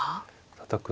たたく。